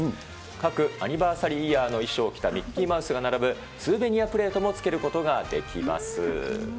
各アニバーサリーイヤーの衣装を着たミッキーマウスが並ぶスーベニアプレートもつけることができます。